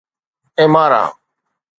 ايمارا